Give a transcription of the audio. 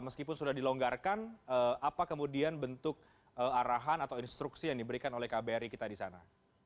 meskipun sudah dilonggarkan apa kemudian bentuk arahan atau instruksi yang diberikan oleh kbri kita di sana